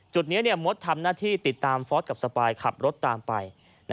จุดนี้มดทำหน้าที่ติดตามฟอร์สกับสปายขับรถตามไป